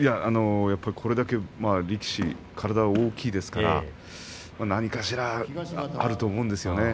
これだけ力士は体が大きいですからね何かしらあると思うんですよね。